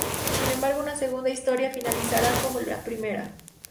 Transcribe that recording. Sin embargo, su segunda ´historia´ finalizará como la primera.